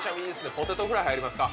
ポテトフライ入りますか。